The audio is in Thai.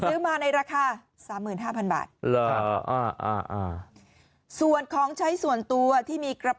โอ้ยโอ้ยโอ้ยโอ้ยโอ้ยโอ้ยโอ้ย